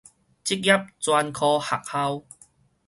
職業專科學校